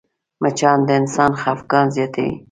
مچان د انسان خفګان زیاتوي